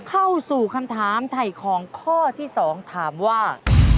เข้าสู่คำถามไถ่ของข้อที่๒ถามว่า